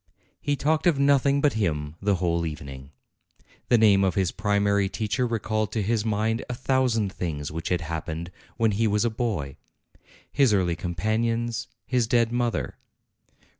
He talked of nothing but him the whole evening. The name of his primary teacher recalled to his mind a thousand things which had happened when he was a boy, his early companions, his dead mother.